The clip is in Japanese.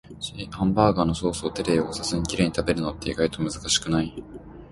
ハンバーガーをソースで手を汚さずにきれいに食べるのって、意外と難しくない？